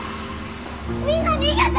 みんな逃げて！